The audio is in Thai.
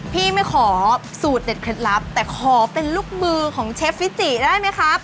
ไม่ขอสูตรเด็ดเคล็ดลับแต่ขอเป็นลูกมือของเชฟฟิจิได้ไหมครับ